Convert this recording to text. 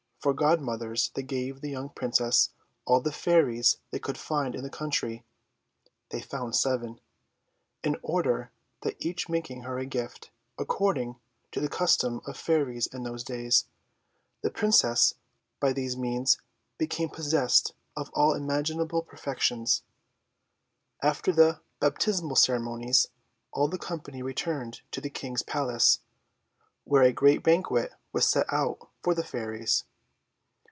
For godmothers they gave the young Princess all the Fairies they could find in the country (they found seven), in order that each making her a gift, according to the custom of Fairies in those days, the Princess would, by these means, become possessed of all imaginable perfections. After the baptismal ceremonies all the company returned to the King's palace, where a great banquet was set out for the Fairies.